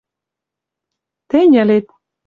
Тӹнь ӹлет.